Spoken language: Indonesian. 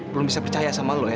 belum bisa percaya sama lo ya